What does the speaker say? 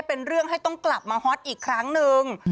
เป็นเรื่องให้ต้องกลับมาฮอตอีกครั้งนึง